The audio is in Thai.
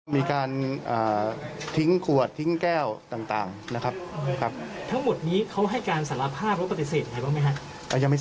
มาดูความเคลื่อนไหวของปอล์กับโรเบิร์ตหน่อยไหม